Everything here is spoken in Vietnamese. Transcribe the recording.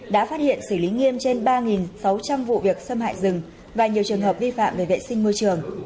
đã phát hiện xử lý nghiêm trên ba sáu trăm linh vụ việc xâm hại rừng và nhiều trường hợp vi phạm về vệ sinh môi trường